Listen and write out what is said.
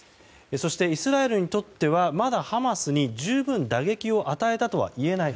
そしてイスラエルにとってはまだハマスに十分打撃を与えたとはいえない。